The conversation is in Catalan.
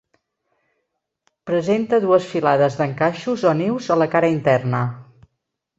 Presenta dues filades d'encaixos o nius a la cara interna.